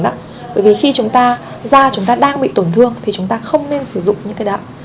bởi vì khi chúng ta da chúng ta đang bị tổn thương thì chúng ta không nên sử dụng những cái đó